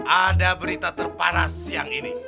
ada berita terpanas siang ini